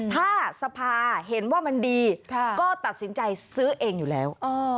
ถ้าสภาเห็นว่ามันดีก็ตัดสินใจซื้อเองอยู่แล้ว